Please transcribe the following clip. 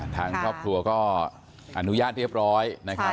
ทางครอบครัวก็อนุญาตเรียบร้อย